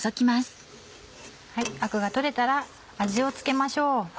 アクが取れたら味を付けましょう。